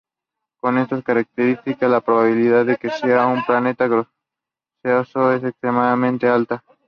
Con estas características, la probabilidad de que sea un planeta gaseoso es extremadamente alta.